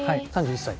３１歳。